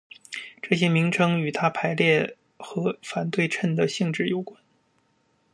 这些名称与它排列和反对称的性质有关。